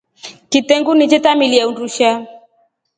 Kitengu ni che tamilia undusha.